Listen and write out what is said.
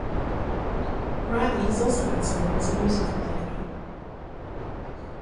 Riley has also had some roles in musical theatre.